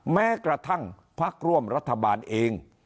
แม้กระทั่งพักร่วมรัฐบาลเอง